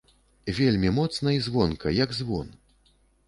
Вельмі моцна і звонка, як звон.